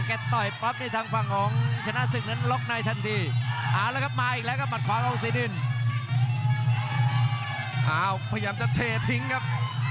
อ่ากรรมกำลังประพองเอาไว้ครับ